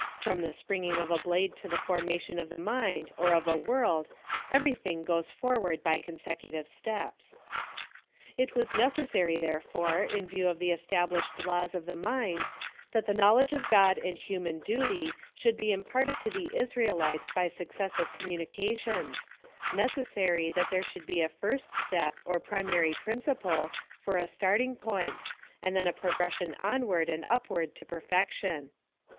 From the springing of a blade to the formation of the mind, or of a world, every thing goes forward by consecutive steps. It was necessary, therefore, in view of the estab lished laws of the mind, that the knowledge of God and human duty should be imparted to the Israel* ites by successive communications — necessary thai there should be a first step, or primary principle, for a starting point, and then a progression onward and upw^ard to perfection.